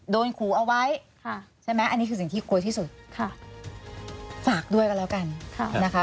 โดนขู่เอาไว้ใช่ไหมอันนี้คือสิ่งที่กลัวที่สุดค่ะฝากด้วยกันแล้วกันนะคะ